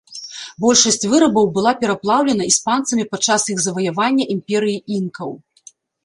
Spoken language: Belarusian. Большасць вырабаў была пераплаўлена іспанцамі падчас іх заваявання імперыі інкаў.